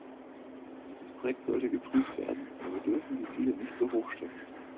Dieses Projekt sollte geprüft werden, aber wir dürfen die Ziele nicht zu hoch stecken.